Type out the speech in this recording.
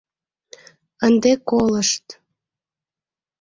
Ынде колышт.